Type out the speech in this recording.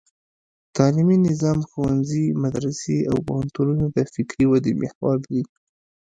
تعلیمي نظام: ښوونځي، مدرسې او پوهنتونونه د فکري ودې محور دي.